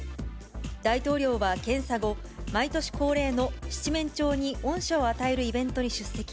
大統領は検査後、毎年恒例の七面鳥に恩赦を与えるイベントに出席。